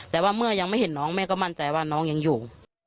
แต่ว่าเมื่อยังไม่เห็นน้องแม่ก็มั่นใจว่าน้องยังอยู่